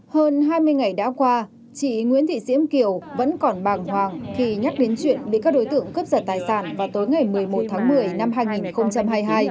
hơn hai mươi ngày đã qua chị nguyễn thị diễm kiều vẫn còn bàng hoàng khi nhắc đến chuyện bị các đối tượng cướp giật tài sản vào tối ngày một mươi một tháng một mươi năm hai nghìn hai mươi hai